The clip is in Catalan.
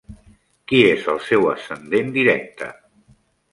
Qui és el seu ascendent directe?